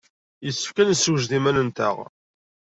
Yessefk ad nessewjed iman-nteɣ.